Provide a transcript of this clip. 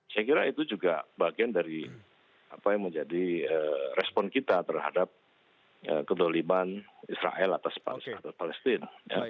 saya kira itu juga bagian dari apa yang menjadi respon kita terhadap kedoliban israel atas palestina